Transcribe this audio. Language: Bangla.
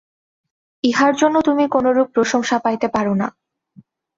ইহার জন্য তুমি কোনরূপ প্রশংসা পাইতে পার না।